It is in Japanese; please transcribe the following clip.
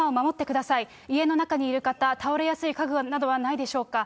家の中にいる方、倒れやすい家具などはないでしょうか。